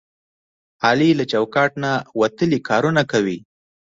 علي له چوکاټ نه وتلي کارونه کوي.